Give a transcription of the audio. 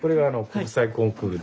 国際コンクール。